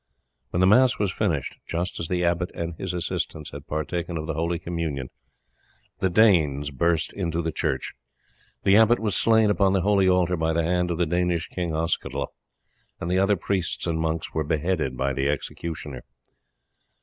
When the mass was finished, just as the abbot and his assistants had partaken of the holy communion, the Danes burst into the church. The abbot was slain upon the holy altar by the hand of the Danish king Oskytal, and the other priests and monks were beheaded by the executioner.